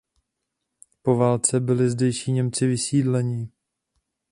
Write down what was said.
Po válce byli zdejší Němci vysídleni.